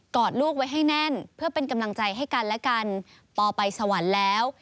อดลูกไว้ให้แน่นเพื่อเป็นกำลังใจให้กันและกันปอไปสวรรค์แล้ว